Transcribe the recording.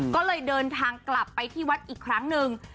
ก็เลยเดินทางกลับไปที่วัดอีกครั้งหนึ่ง